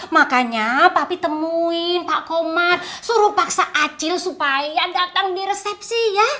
makanya papi temuin pak komar suruh paksa acil supaya datang di resepsi ya